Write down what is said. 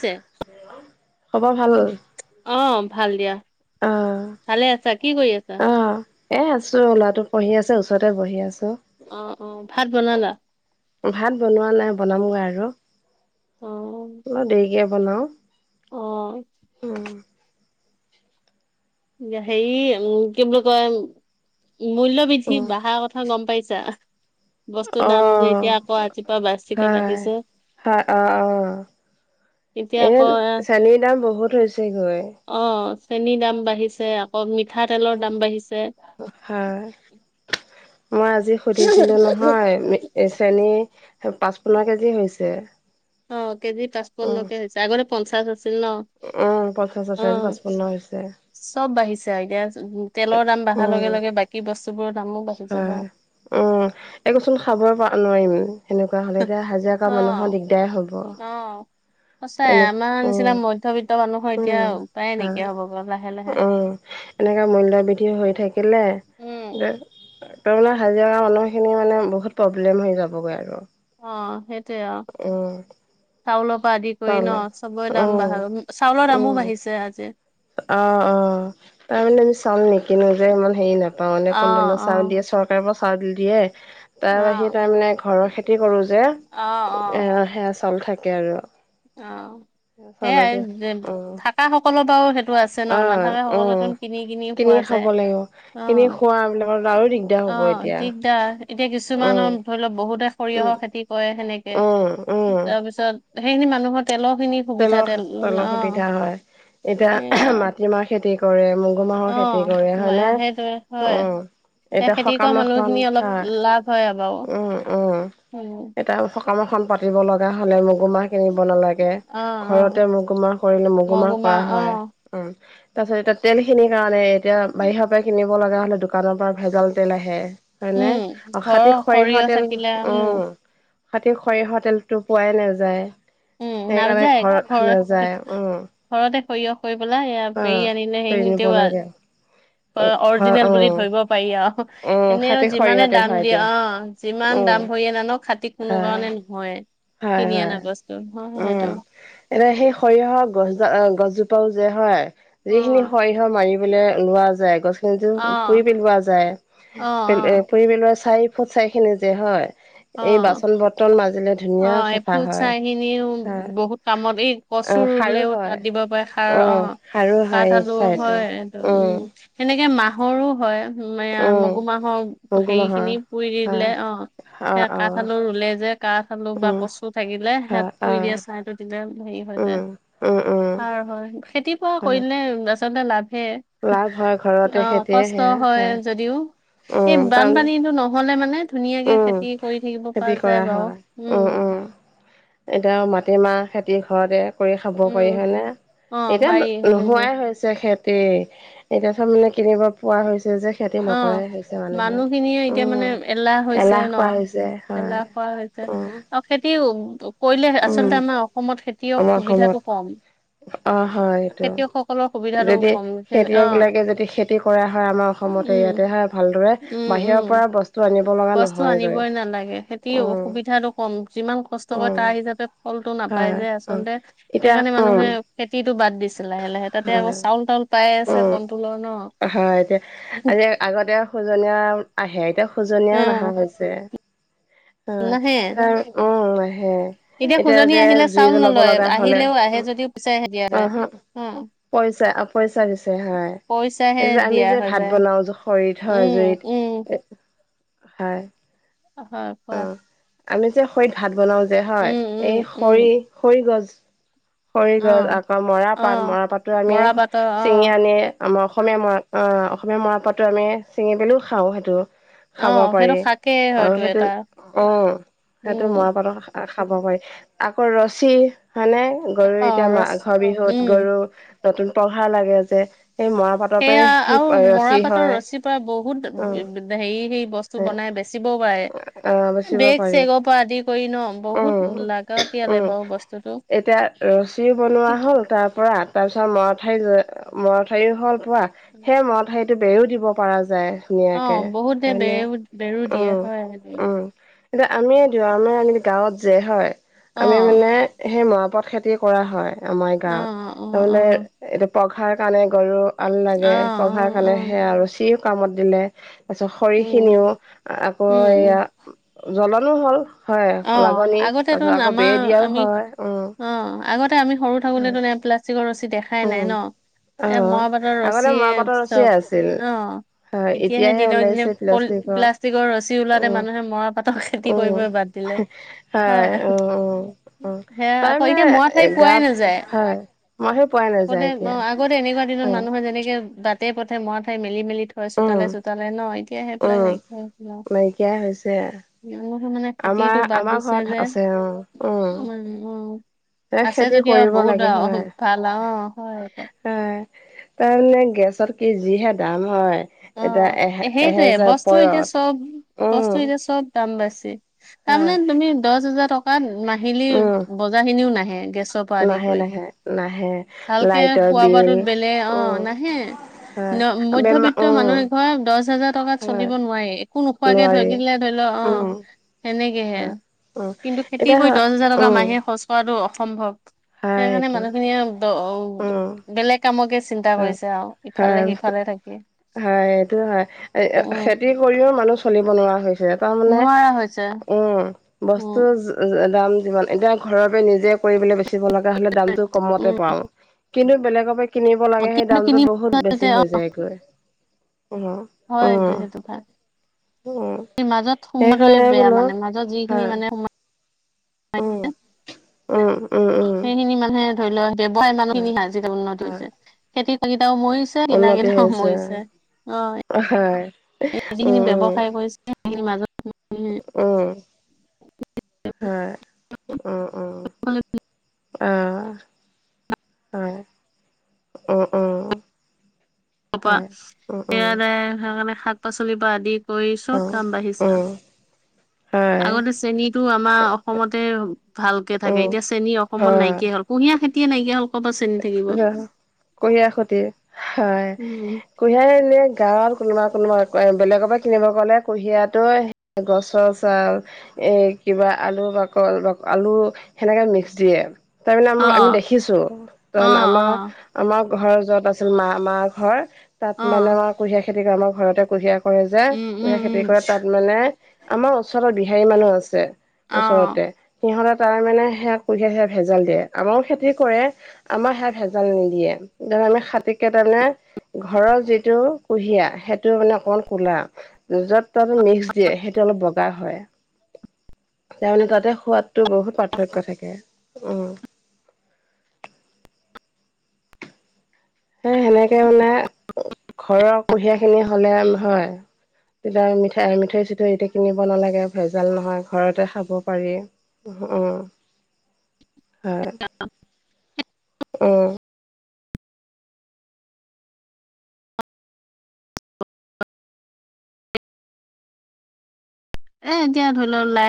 ছে খবৰ ভাল? অ ভাল দিয়া অ', ভালে আছা কি কৰি আছা অ'। এ আছো লৰাটো পঢ়ি আছে ওচৰতে বহি আছো অ অ ভাত বনালা ভাত বনোৱা নাই বনামগৈ আৰু অ অলপ দেৰিকে বনাওঁ অ উম দিয়া সেই উম কি বুলি কয় মূল্য বৃদ্ধি উম, বঢ়াৰ কথা গম পাইছা বস্তুৰ দাম যে অ', এতিয়া আকৌ আজিৰপৰা বাছিকে হয়। বাঢ়িছে হয় অ', অ', এতিয়া এ আকৌ চেনীৰ দাম বহুত হৈছে গৈ অ চেনীৰ দাম বাঢ়িছ [unintelligible] হয় মই আজি সুধিছিলো নহয় চেনী পাঁচপন্ন কেজি হৈছে অ কেজি পাচপন্ন কে হৈছে আগৰে পঞ্চাশ আছিল ন অ পঞ্চাশ অ আছে আজি পাচপন্ন হৈছে চব বাঢ়িছে আও এতিয়া উম তেলৰ দাম বাঢ়াৰ লগে লগে বাকী বস্তু বোৰৰ দামো বাঢ়ি যাব অ হম উম একোচোন খাবই পা নোৱাৰিম সেনেকুৱা হ'লে এতিয়া হাজিৰা কৰা মানুহৰ দিগদাৰ হ'ব অ সঁচাই এনে আমাৰ উম নিচিনা মধ্যবিত্ত মানুহৰ এতিয়া উম উপায়ে হয় নাইকিয়া হ'ব গৈ লাহে লাহে উম এনেকা মূল্যবৃদ্ধি হৈ থাকিলে উম, [unintelligible] হাজিৰা কৰা মানুহখিনি মানে বহুত প্ৰব্লেম হৈ যাবগৈ আৰু অ সেইটোৱেই অ উম চাউলৰ পৰা আদি কৰি চাউল ন চবৰে দাম উম বাঢ় চাউলৰ দামো উম বাঢ়িছে আজি অ অ তাৰ মানে আমি চাউল নিকিনোৱে যে ইমান হেৰি নাপাওঁ অ মানে কণ্ডলৰ অ চাউল দিয়ে চৰ চৰকাৰৰ পৰা চাউল দিয়ে তাৰ অ বাহিৰে তাৰ মানে ঘৰৰ খেতি কৰো যে অ অ এ সেয়া চাউল থাকে আৰু অ চাউলৰ সেইয়াই দিয়া অ থাকা সকলৰ বাৰু সেইটো আছ অ উম কিনি খোৱা যায় খাব লাগিব অ কিনি খোৱা বিলাকৰ টো আৰু দিগ অ দিগদাৰ এতিয়া উম কিছুমানৰ ধৰি লওক বহুতে উম সৰিয়হৰ খেতি কৰে সেনেকে উম উম তাৰ পিছত সেইখিনি মানুহৰ তেলৰ খিনি সুবিধা তেলৰ তেল তেলৰ অ খেতি কৰা হয় এতিয়া সেইয়া মাটিমাহ খেতি কৰে মগু অ মাহৰ খেতি কৰে মা- হয় সেইটোৱে নে হয় উম সেই এতিয়া খেতি কৰা সকাম এখন মানুহখিনি অলপ লাভ হয় বাৰু খাই উম উম [unintelligible] সকাম এখন পাতিব লগা হ'লে মগু মাহ কিনিব নালাগে অ অ ঘৰতে মগুমাহ কৰিলে মগুমাহ মগুমা কৰা অ হয় উম তাৰ পিছত এতিয়া তেল খিনিৰ কাৰণে এতিয়া বাহিৰৰ পৰা কিনি ব লগা হ'লে দোকানৰ পৰা ভেজাল তেল আহে হয়নে উম অ ঘৰৰ খাতি সৰিয়হ সৰিয়হৰ তেল থাকিলে উম। তাত সেই সৰিয়হৰ তেলটো পোৱাই নাযায়। উম, সেইকাৰণে নাযায় ঘৰত ঘৰ-ঘৰতে নাযায় উম, সৰিয়হ কৰি পেলাই এইয়া পেৰি অ', আনিলে কিনিব সেইখিনিতেও আৰ লাগে। অ' ঘৰ অৰিজিনেল বুলি উম, ধৰিব পাৰি আৰু উম, এনেও খাটি যিমানে সৰিয়হৰ তেল হয় দাম দিয়ে, এইটো অ'। যিমান উম, দাম ভৰিয়ে নানক খাটিক কোনো হয়, কাৰণে নহয়। হয় কিনি হয়। অনা বস্তু হয় সেইটো। এ, সেই সৰিয়হৰ গছ গছ জোপাও যে হয় অ যিখিনি সৰিয়হ মাৰি বোলে লোৱা যায়, অ গছখিনিতো পুৰি পেলোৱা যায় অ [unintelligible] পুৰি পেলোৱা চাৰি ফুট চাইখিন যে হয় অ এই অ বাচন বৰ্তন মাজিলে ধুনীয়া অ' এই চাফা ফুট হয়। চাইখিনিও হয় বহুত কামত, এই কচুৰ অ' সাৰো ৰুলেও তাত হয় দিব পাৰে সাৰ, অ'। সাৰো হয় কাঠ আলু চাইটো হয় এইটো, উম, সেনেকে মাহৰো হয়। য়া উম, মগু মাহৰ মগু মাহৰ হেৰিখিনি পুৰি দি হয় দিলে, অ'। সে অ', কাঠ অ', আলু ৰুলে যে কাঠ আলু বা উম, কচু থাকিলে সেই হয় পুৰি দিয়ে অ', ছাইটো [unintelligible] হেৰি হৈ যায়, উম, উম, উম, সাৰ হয়, খেতি পুৰা হয় কৰিলে আচলতে লাভে। লাভ হয় ঘৰতে অ' খেতিয়ে কষ্ট সেয়া হয় যদিও। এই উম, টাউন বানপানীটো নহ'লে মানে ধুনীয়াকে উম খেতি কৰি থাকিব পৰা খেতি যায় কৰা বাৰু, হয় উম। এতিয়া মাটিমাহ খেতি ঘৰতে কৰি খাব পাৰি উম হয়নে, অ এতিয়া পাৰি সেইটো যে নোহোৱাই হৈছে। খেতি এতিয়া চব মানে কিনিব পোৱা হৈছে যে। খেতি নকৰাই অ' হৈছে মানুহে মানুহখিনিয়ে এতিয়া মানে উম এলাহ হৈছ ছে কৰা ন' হৈছে এলাহ হয় খোৱা হৈছে। উম আৰু খেতি কৰিলে উম আচলতে আমাৰ অসমত খেতিৰ আমাৰ অসমত সুবিধাটো কম। অ' হয় সেইটো, খেতিয়কসকলৰ সুবিধাটো যদি কম অ খেতিয়কবিলাকে যদি খেতি কৰা হয় আমাৰ অসমতে ইয়াতে উম হয় ভালদৰে উম উম বাহিৰৰ পৰা বস্তু আনি বস্তু আনিবই নালাগে, খেতিৰ উম অসুবিধাটো কম, যিমান কষ্ট কৰে উম তাৰ হিচাপে ফলটো নাপায় হয় যে অ আচলতে এতিয়া সেইকাৰণে উম মানুহে খেতিটো বাদ দিছিল লাহে লাহে তাতে আকৌ হয় চাউল তাউল পাই আছে উম কণ্ট্ৰলৰ ন'। হয় এতিয়া আজি আগতে খোজনীয়া আহে এতিয়া অ খোজনীয়াও নহা হৈছে। নাহে অ' এ, উ, নাহে। এতিয়া খুজনি যে আহিলে জুই চাউল জ্বলাব নলয় লগা হ'লে আহিলেও আহে যদিও পইচাহে দিয়া যায় [unintelligible] উম পইচা পই ছা পিছে হয় পইচাহে আমি দিয়া যে হৈ ভাত যায় বনাও খৰিত হয় উম জুইত উম হয়। অ' হয় অ কোৱা। আমি যে খৰিত ভাত বনাও যে হয়, উম উম এই উম খৰি খৰি গছ খৰি অ গছ আকৌ মৰা অ পাট মৰা পাতো আমি মৰা পাতৰ অ ছিঙি আনি আমাৰ অসমীয়া মৰা আ, অসমীয়া মৰা পাটটো আমি পেলাই খাওঁ সেইটো। অ খাব সেইটো পাৰি শাকেই আৰু হয়তো সেইটো, এটা অ', সেইটো উম মৰা পাটৰ খাব পাৰি আকৌ ৰছী মানে গৰুৰ অ এতিয়া ৰচ মাঘৰ বিহুত উম গৰুৰ নতুন পঘাৰ লাগে যে সেই মৰা পাট সেয়া আৰু মৰা পাটৰ ৰছীৰ পৰা বহুত উম হেৰি সেই বস্তু বনাই বেচিবও পাৰে। অ বাচিব বেগ পাৰি চেগৰ পৰা আদি কৰি ন' উম বহুত লাগাৱতিয়ালে উম বাৰু বস্তুটো। এতিয়া ৰছীও বনোৱা হ'ল তাৰ পৰা তাৰপিছত মৰাঠাই মৰাঠাৰিও হ'ল পোৱা সেই মৰা ঠাৰিটো বেৰো দিব পৰা যায়। অ ধুনীয়াকে বহুতে বেও বেৰো দিয়ে হয় উ এতিয়া আমিয়ে লদিও আমাৰ এনেকে গাঁৱত যে হয় অ আমি মানে সেই মৰাপাত খেতি কৰা হয় আমাৰ অ অ গাঁৱত অ তামানে এতিয়া পঘাৰ কাৰণে গৰু আল অ অ লাগে, পঘাৰ অ কাৰণে সেয়া আৰু ৰচিও কামত দিলে। তাপিছত খৰি উম খিনিও আকৌ উম উম এয়া জলনো হল হয় অ লাগনি আগতেতোন তাৰপিছত আকৌ বেৰ আমাৰ দিয়াও আমি হয় উম অ আগতে আমি সৰু থাকোতে হয় তোন ইয়াত প্লাষ্টিকৰ ৰচী দেখাই নাই উম ন? অ এ মাপাটৰ আগতে মাহ ৰছীয়ে পাতৰ ৰছিয়ে আছিল চব অ। হয় এতিয়াহে দিন দিনে ওলাইছে পল প্লাষ্টিকৰ প্লাষ্টিকৰ ৰছী ওলাও তে উম মানুহে মৰা পাতৰ খেতি কৰিব উম বাদ দি। হয় উ উ উম সেয়া তাৰ আকৌ মানে এতিয়া মৰা এ ঠাই পোৱাই গাত নাযায় খাই মই হে আগতে অ আগতে এনেকুৱা দিনত মানুহে যেনেকে বাটে-পথে মৰা ঠাই মেলি মেলি থয় চোতালে উম চোতালে ন, এতিয়া সেইবিলাক উম নাইকিয়া হৈছে নাইকিয়াই হৈছে মানে খেতিটো আমাৰ বাদ আমাৰ দিছে ঘৰত যে। আছে উম উম উম উম এ আছে খেতি যদি আৰু কৰিব বহুত লাগে হয় ভাল অ হয়। হয় তাৰমানে গেছত কি যিহে দাম হয় অ এতিয়া এহে সেইটোয়ে এহেজাৰ বস্তু এতিয়া ওপৰত চব উম বস্তু এতিয়া চব দাম বেছি তাৰমানে হয় তুমি দহ হাজাৰ টকাত মাহ হিলি উম বজাৰ খিনিও নাহে গেছৰ পৰা আদি নাহে কৰি নাহে নাহে ভালকে লাইটৰ খোৱা বিল বোৱাটোত বেলেগ অ উম হয় আ বেমা তো উম মানুহ এঘয় দহ হাজাৰ টকাত হয় চলিব নোৱাৰি, একো নোখোৱাকে নোৱাৰি থাকিলে ধৰি লও অ উম সেনেকেহে হয় উম কিন্তু খেতি এতিয়া কৰি হয় দহ হাজাৰ টকা উম মাহে খচ কৰাটো অসম্ভৱ হয় সেইকাৰণে সেইটো মানুহখিনিয়ে দ উম বেলেগ কামকে চিন্তা হয় কৰিছে আৱ ইফালে হয় সিফালে থাকি হয় এইটো হয় উম খেতি কৰিও মানুহ চলিব নোৱাৰা হৈছে তাৰমানে নোৱাৰা হৈছে উম উম বস্তু দাম যিমান এতিয়া ঘৰৰ পৰাই নিজে কৰিবলে বেছি ব লগা হ'লে দামটো উম কমতে পাও কিন্তু বেলেগৰ পৰা কিনিব লাগে সেই কিন্তু কিনি দামটো বহুত বেছি অ হৈ যায় গৈ হয় সেইটো সেইটো খা উম মাজত সমোৱাটোৱে সেইকাৰণে বেয়া বোলো মানে মাজত যিখিনি মানে সোমাই অ উম উম উম সেইখিনি মানুহে ধৰি লোৱা ব্যৱসায় হয় মানুহখিনি আজিকালি উন্নতি হয় হৈছে, খেতি কৰা কিটাও মৰিচ ছে কিনা উন্নতি কিতাও হৈছে মৰিছে অ হয় যিখিনি উম ব্যৱসায় কৰিছে সেইখিনি মাজত উম হয় উম উম অ হয় উম উম পা হয় উম উম সেয়াদাই সেকাৱনে শাক-পাচলিৰ পৰা আদি কৰি চব উম দাম বাঢ়িছে আও উম হয় আগতে চেনীটো আমাৰ অসমতে ভালকে থাকে, উম এতিয়া চেনী অসমত হয় নাইকীয়া হ'ল। কুঁহিয়া খেতিয়ে নাইকীয়া হ'ল কপা চে ৰ কুহিয়াৰ খতি হয় উম কুঁহিয়াৰ এনেই গাঁৱত কোনোবা কোনোবা বেলেগৰ পৰা কিনিব গ'লে কুঁহিয়াটো গছৰ চাল এ কিবা আলু বাক আলু সেনেকে মিক্স দিয়ে। তাৰমানে আমাৰ অ আমি দেখিছো [unintelligible] অ অ আমাৰ আমাৰ ঘৰৰ য'ত আছিল মা মা ঘৰ তাত অ মানে আমাৰ কুহিয়াৰ খেতি কৰে। আমাৰ ঘৰতে কুহিয়াৰ কৰে যে উম উম কুহিয়াৰ খেতি উম কৰে, তাত মানে আমাৰ ওচৰতে বিহাৰী মানুহ আছে। অ ওচৰতে সিহঁতে তাৰেমানে সেয়া কুহিয়াই স ভেজাল দিয়ে আমাৰো খেতি কৰে। আমাৰ সেয়াত ভেজাল নিদিয়ে, আমি খাতীকে [unintelligible] ঘৰৰ যিটো কুঁহিয়াৰ সেইটো মানে অকমান কোলা। য'ত ত'ত মিক্স দিয়ে সেইটো অলপ বগা হয়। তাৰমানে তাতে সোৱাদটো বহুত পাৰ্থক্য থাকে অ'। সেই সেনেকে মানে ঘৰৰ কুহিয়াৰ খিনি হলে নহয়। তেতিয়া মিঠাই মিঠৈ-চিঠৈ এতিয়া কিনিব নালাগে ভেজাল নহয় ঘৰতে খাব পাৰি। অ' হয় উম। এ এতিয়া ধৰি ল' ওলাই